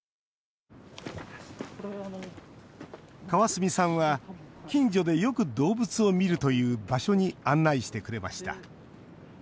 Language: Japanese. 川角さんは、近所でよく動物を見るという場所に案内してくれました。